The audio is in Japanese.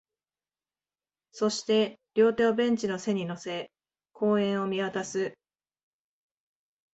そして、両手をベンチの背に乗せ、公園を見回す